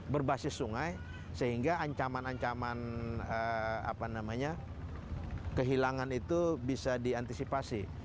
berbasis sungai sehingga ancaman ancaman kehilangan itu bisa diantisipasi